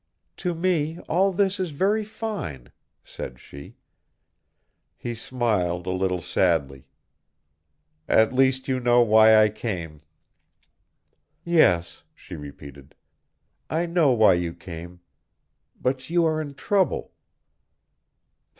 "To me all this is very fine," said she. He smiled a little sadly. "At least you know why I came." "Yes," she repeated, "I know why you came. But you are in trouble."